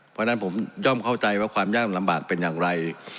เพราะฉะนั้นผมย่อมเข้าใจว่าความยากลำบากเป็นอย่างไร